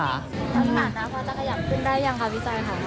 แล้วก็ต่างนะครับจะขยับขึ้นได้หรือยังครับพี่จัยครับ